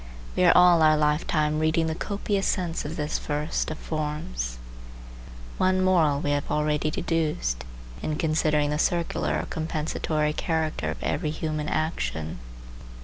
We are all our lifetime reading the copious sense of this first of forms. One moral we have already deduced, in considering the circular or compensatory character of every human action.